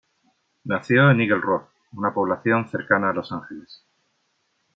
Nació en Eagle Rock, una población cercana a Los Ángeles.